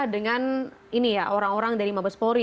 dengan ini ya orang orang dari mabes polri